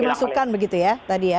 memberi masukan begitu ya tadi ya